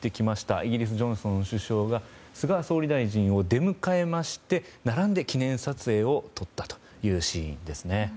イギリス、ジョンソン首相が菅総理大臣を出迎えまして並んで記念撮影を撮ったというシーンですね。